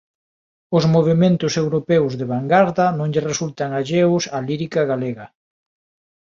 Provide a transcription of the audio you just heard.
Os movementos europeos de vangarda non lle resultan alleos á lírica galega.